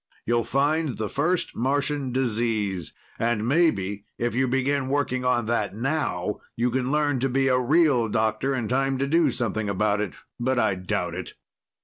You'll find the first Martian disease. And maybe if you begin working on that now, you can learn to be a real doctor in time to do something about it. But I doubt it."